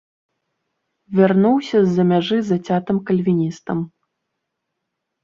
Вярнуўся з-за мяжы зацятым кальвіністам.